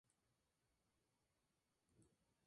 Durante la Guerra civil tuvo que marchar al exilio.